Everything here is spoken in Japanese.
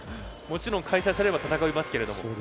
もちろん開催されれば戦いますけど。